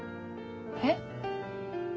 えっ？